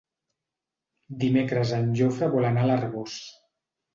Dimecres en Jofre vol anar a l'Arboç.